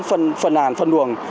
phân nàn phân đường